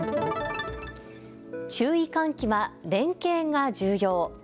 注意喚起は連携が重要。